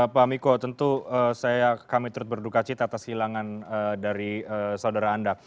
pak miko tentu kami terus berdukacit atas kehilangan dari saudara anda